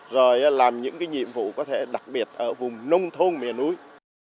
rồi làm những cái nhiệm vụ có thể đặc biệt ở vùng nông thôn mề núi